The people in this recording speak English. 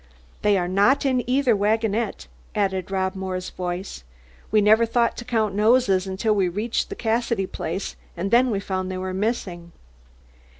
"They are not in either wagonette," added Rob Moore's voice. "We never thought to count noses until we reached the Cassidy place, and then we found they were missing."